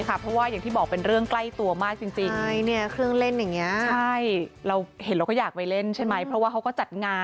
เพราะว่าอย่างที่บอกเป็นเรื่องใกล้ตัวมากจริง